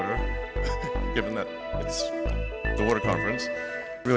karena ini adalah pemerintah air